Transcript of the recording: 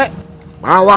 bawakan ke tenggorak